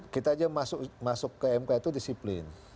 kita aja masuk ke mk itu disiplin